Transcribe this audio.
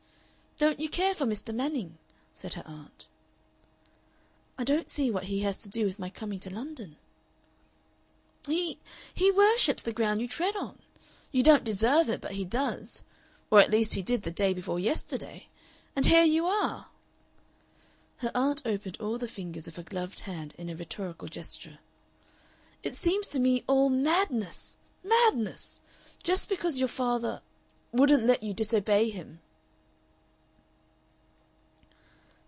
"Don't you care for Mr. Manning?" said her aunt. "I don't see what he has to do with my coming to London?" "He he worships the ground you tread on. You don't deserve it, but he does. Or at least he did the day before yesterday. And here you are!" Her aunt opened all the fingers of her gloved hand in a rhetorical gesture. "It seems to me all madness madness! Just because your father wouldn't let you disobey him!"